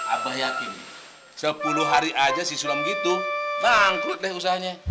abah yakin sepuluh hari aja si sulam gitu bangkrut deh usahanya